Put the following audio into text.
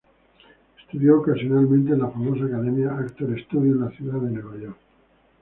Estudió ocasionalmente en la famosa academia Actors Studio en la ciudad de Nueva York.